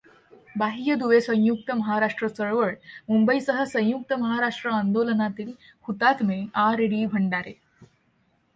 बाह्य दुवे संयुक्त महाराष्ट्र चळवळ मुंबईसह संयुक्त महाराष्ट्र आंदोलनातील हुतात्मे आर. डी. भंडारे